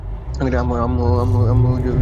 আম্মু তোমাকে ভালোবাসে।